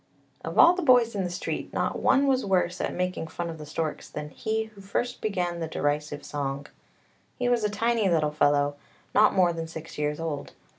Of all the boys in the street, not one was worse at making fun of the storks than he who first began the derisive song. He was a tiny little fellow, not more than six years old.